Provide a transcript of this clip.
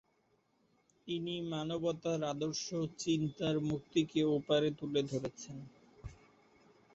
তিনি মানবতার আদর্শ ও চিন্তার মুক্তিকে ওপরে তুলে ধরেছেন।